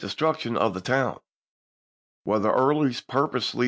destruction of the town. Whether Early purposely chap.